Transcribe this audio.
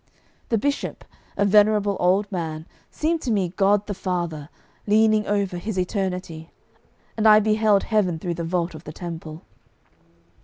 The bishop, a venerable old man, seemed to me God the Father leaning over His Eternity, and I beheld Heaven through the vault of the temple.